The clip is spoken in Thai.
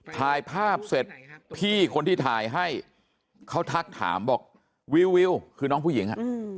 ถ่ายภาพเสร็จพี่คนที่ถ่ายให้เขาทักถามบอกวิวคือน้องผู้หญิงอ่ะ